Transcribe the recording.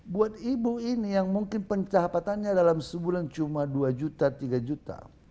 buat ibu ini yang mungkin pencahapatannya dalam sebulan cuma dua juta tiga juta